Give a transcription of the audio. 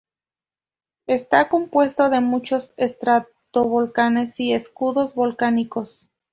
Está compuesto de muchos estratovolcanes y escudos volcánicos.